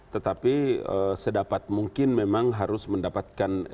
tetapi sedapat mungkin memang harus mendapatkan